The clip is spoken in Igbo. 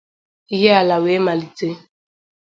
Ihiala' wee malite.